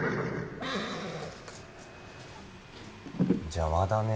邪魔だね